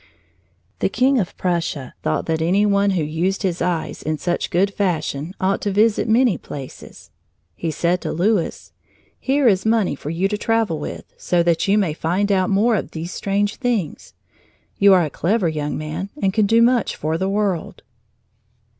The King of Prussia thought that any one who used his eyes in such good fashion ought to visit many places. He said to Louis: "Here is money for you to travel with, so that you may find out more of these strange things. You are a clever young man and can do much for the world!"